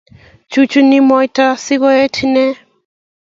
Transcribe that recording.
Chuchuni moyta si koet inee